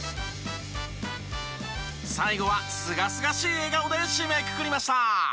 最後はすがすがしい笑顔で締めくくりました。